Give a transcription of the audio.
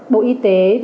bộ y tế